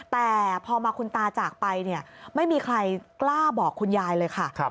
แต่พอมาคุณตาจากไปเนี่ยไม่มีใครกล้าบอกคุณยายเลยค่ะ